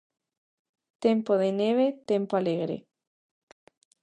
Tempo de neve, tempo alegre.